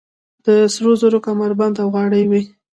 د سرو زرو کمربندونه او غاړکۍ وې